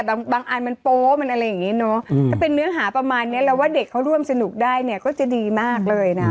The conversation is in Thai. บางอันมันโป๊มันอะไรอย่างนี้เนอะถ้าเป็นเนื้อหาประมาณนี้เราว่าเด็กเขาร่วมสนุกได้เนี่ยก็จะดีมากเลยนะ